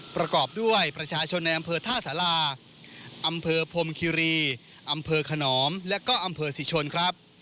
ประกอบด้วยประชาชนในอำเภอท่าสาราอำเภอพรมคิรีอำเภอขนอมและก็อำเภอสิชนครับ